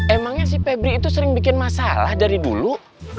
emangnya si pebri itu sering bikin masalah dari dulu